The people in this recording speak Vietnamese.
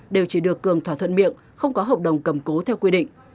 đều chỉ được cường thỏa thuận miệng không có hợp đồng cầm cố theo quy định